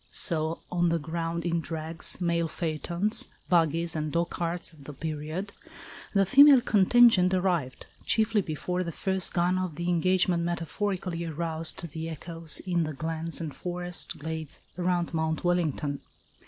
So on the ground in drags, mail phaetons, buggies and dogcarts of the period, the female contingent arrived, chiefly before the first gun of the engagement metaphorically aroused the echoes in the glens and forest glades around Mount Wellington.